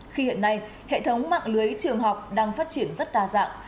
khi hiện nay hệ thống mạng lưới trường học đang phát triển rất đa dạng